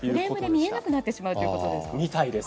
フレームで見えなくなってしまうということですか。